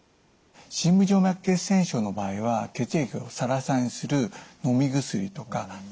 深部静脈血栓症の場合は血液をサラサラにするのみ薬とか点滴の薬を投与します。